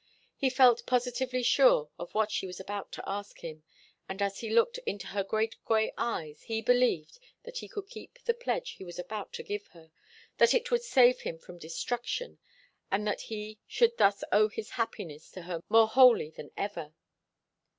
He felt positively sure of what she was about to ask him, and as he looked into her great grey eyes he believed that he could keep the pledge he was about to give her, that it would save him from destruction, and that he should thus owe his happiness to her more wholly than ever.